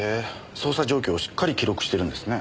捜査状況をしっかり記録してるんですね。